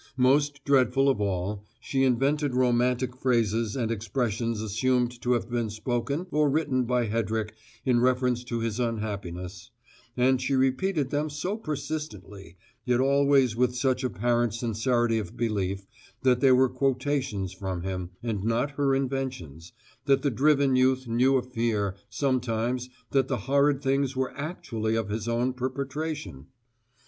Most dreadful of all, she invented romantic phrases and expressions assumed to have been spoken or written by Hedrick in reference to his unhappiness; and she repeated them so persistently, yet always with such apparent sincerity of belief that they were quotations from him, and not her inventions, that the driven youth knew a fear, sometimes, that the horrid things were actually of his own perpetration.